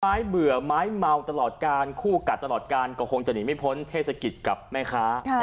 เบื่อไม้เมาตลอดการคู่กัดตลอดการก็คงจะหนีไม่พ้นเทศกิจกับแม่ค้า